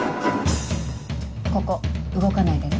ここ動かないでね。